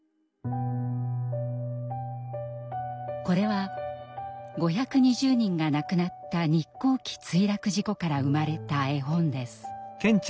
これは５２０人が亡くなった日航機墜落事故から生まれた絵本です。